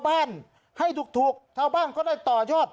บ้านให้ถูกชาวบ้านก็ได้ต่อยอด